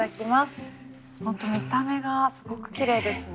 本当見た目がすごくきれいですね。